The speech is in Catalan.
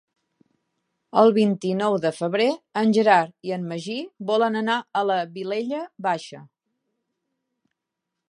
El vint-i-nou de febrer en Gerard i en Magí volen anar a la Vilella Baixa.